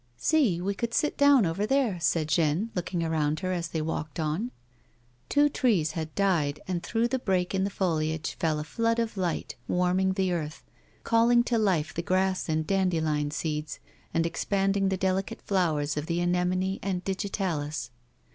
" See, we could sit down over there," said Jeanne, looking aroiind her as they walked on. Two trees had died, and through the break in the foliage fell a flood of light, warming the earth, calling to life the grass and dandelion seeds, and expanding the delicate flowers of the anemone and digitalis.